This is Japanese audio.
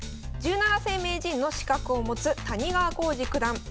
１７世名人の資格を持つ谷川浩司九段。